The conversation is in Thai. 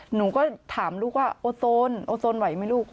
หนูก็ถามลูกว่าโอโซนโอโซนไหวไหมลูก